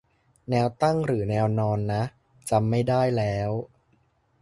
แนวตั้งหรือแนวนอนนะ จำไม่ได้แล้ว